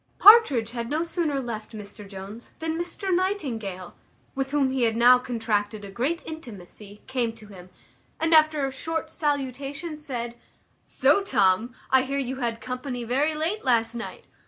Partridge had no sooner left Mr Jones than Mr Nightingale, with whom he had now contracted a great intimacy, came to him, and, after a short salutation, said, "So, Tom, I hear you had company very late last night.